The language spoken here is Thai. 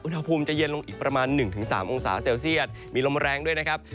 อุณหภูมิจะเย็นลงอีกประมาณ๑๓องศาเซลเซียตมีลมแรงด้วยนะครับ